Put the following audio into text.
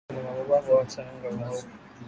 Faida kuu ya Zanzibar ni mabwawa ya mchanga mweupe